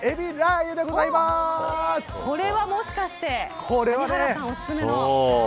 これは、もしかして谷原さんおすすめの。